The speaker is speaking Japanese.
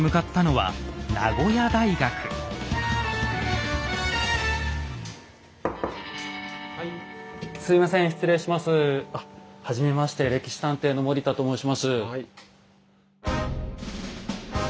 はじめまして「歴史探偵」の森田と申します。